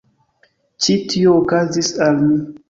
Ĉi tio okazis al mi.